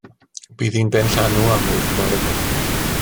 Bydd hi'n benllanw am wyth bore fory.